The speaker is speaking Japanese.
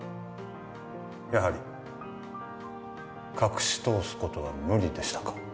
やはり隠し通すことは無理でしたか。